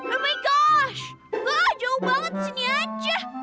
oh my gosh wah jauh banget disini aja